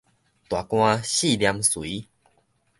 大汗四簾垂